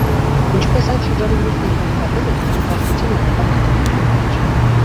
Ինչպես այդ շրջանի մյուս ներգաղթյալները, նրանք գաղթեցին աշխատանք գտնելու համար։